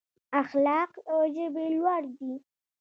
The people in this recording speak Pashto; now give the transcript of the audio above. اخلاق له ژبې لوړ دي.